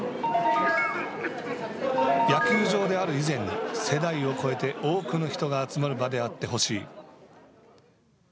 野球場である以前に世代を超えて多くの人が集まる場であってほしい。